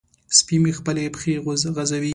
سپی مې خپلې پښې غځوي.